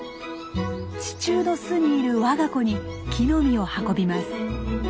地中の巣にいる我が子に木の実を運びます。